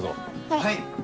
はい。